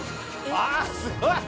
ああすごい！